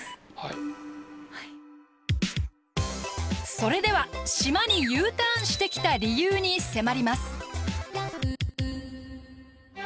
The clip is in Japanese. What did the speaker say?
それでは島にＵターンしてきた理由に迫ります。